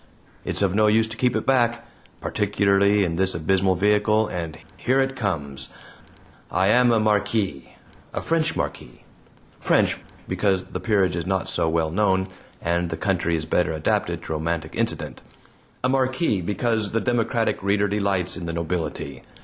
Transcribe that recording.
It's of no use to keep it back particularly in this abysmal vehicle, and here it comes: I am a Marquis a French Marquis; French, because the peerage is not so well known, and the country is better adapted to romantic incident a Marquis, because the democratic reader delights in the nobility.